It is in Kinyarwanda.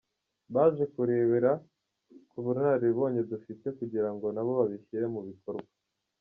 Baje kurebera ku bunararibonye dufite kugira ngo na bo babishyire mu bikorwa.